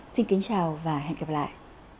xin kính chào và hẹn gặp lại